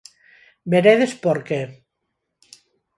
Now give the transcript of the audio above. Veredes por que.